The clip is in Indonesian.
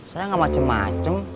saya gak macem macem